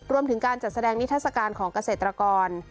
รวมถึงการจัดแสดงนิทัศกาลของเกษตรกร